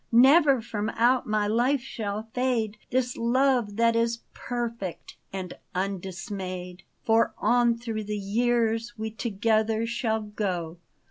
Never from out my life shall fade This love that is perfect and undismayed ; For on through the years we together shall go.